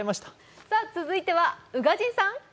続いては宇賀神さん。